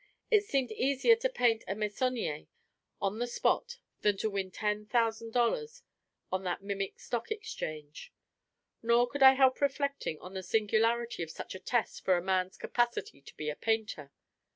It seemed easier to paint a Meissonier on the spot than to win ten thousand dollars on that mimic stock exchange. Nor could I help reflecting on the singularity of such a test for a man's capacity to be a painter.